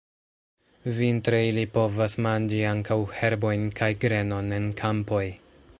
Vintre ili povas manĝi ankaŭ herbojn kaj grenon en kampoj.